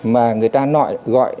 mà người ta gọi